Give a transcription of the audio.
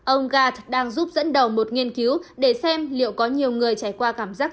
ông gat đang giúp dẫn đầu một nghiên cứu để xem liệu có nhiều người trải qua cảm giác